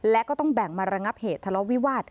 และก็ต้องแบ่งมาระงับเหตุทะเลาะวิวาส